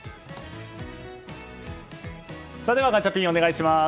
それではガチャピンお願いします。